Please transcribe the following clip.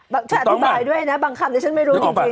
แต่ฉันไม่รู้จริง